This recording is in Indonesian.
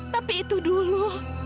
tapi itu dulu